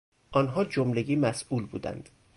آنها جملگی مسئول بودند.